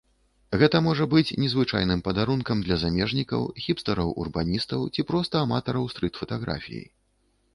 Гэта можа быць незвычайным падарункам для замежнікаў, хіпстараў-урбаністаў ці проста аматараў стрыт-фатаграфіі.